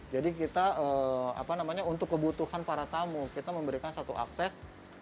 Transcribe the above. jadi kita apa namanya untuk kebutuhan para tamu kita memberikan satu akses